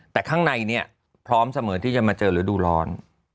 แต่ข้างในนี้พร้อมเสมอที่จะมาเจอระดูรรณ